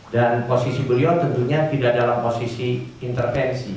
dan posisi beliau tentunya tidak dalam posisi intervensi